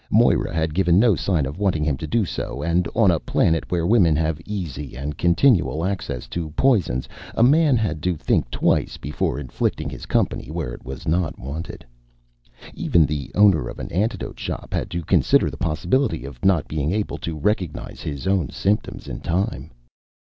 Moera had given no sign of wanting him to do so; and on a planet where women have easy and continual access to poisons, a man had to think twice before inflicting his company where it was not wanted. Even the owner of an antidote shop had to consider the possibility of not being able to recognize his own symptoms in time.